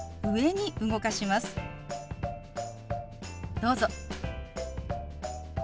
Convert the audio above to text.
どうぞ。